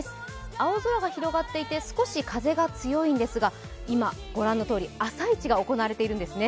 青空が広がっていて少し風が強いんですが今、ご覧のとおり朝市が行われているんですね。